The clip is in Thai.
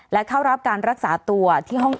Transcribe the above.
และเข้ารับการรักษาตัวที่ห้อง